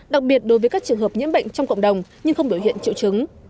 đặc biệt đối với các trường hợp nhiễm bệnh trong cộng đồng nhưng không biểu hiện triệu chứng